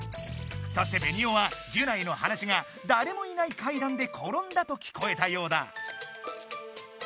そしてベニオはギュナイの話が「だれもいない階段でころんだ」と聞こえたようだ。